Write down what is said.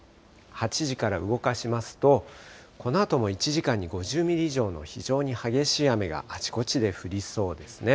８時から動かしますと、このあとも１時間に５０ミリ以上の非常に激しい雨があちこちで降りそうですね。